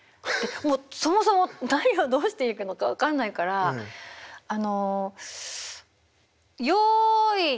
そもそも何をどうしていくのか分かんないからあの「用意」。